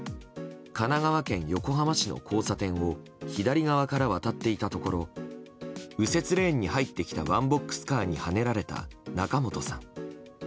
神奈川県横浜市の交差点を左側から渡っていたところ右折レーンに入ってきたワンボックスカーにはねられた仲本さん。